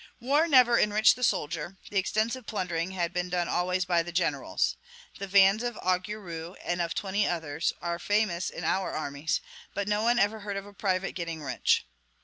War never enriched the soldier; the extensive plundering has been done always by the generals. The vans of Augereau, and of twenty others, are famous in our armies; but no one ever heard of a private getting rich.